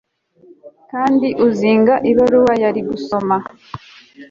Kandi uzinga ibaruwa yari gusoma